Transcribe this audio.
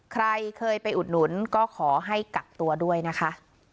ใครเคยไปอุดหนุนก็ขอให้กักตัวด้วยนะคะ